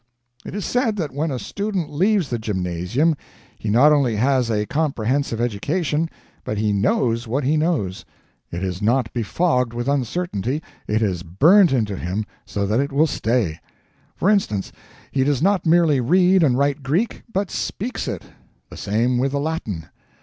It is said that when a pupil leaves the gymnasium, he not only has a comprehensive education, but he KNOWS what he knows it is not befogged with uncertainty, it is burnt into him so that it will stay. For instance, he does not merely read and write Greek, but speaks it; the same with the Latin.